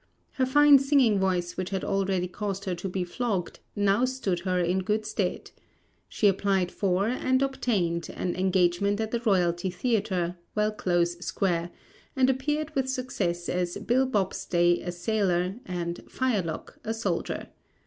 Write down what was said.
Her fine singing voice, which had already caused her to be flogged, now stood her in good stead. She applied for and obtained an engagement at the Royalty theatre, Wellclose square; and appeared with success as Bill Bobstay a sailor and Firelock a soldier.